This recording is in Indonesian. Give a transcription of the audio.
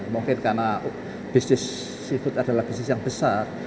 mungkin karena bisnis seafood adalah bisnis yang besar